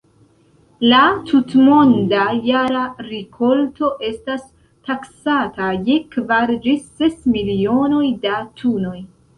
La tutmonda jara rikolto estas taksata je kvar ĝis ses milionoj da tunoj.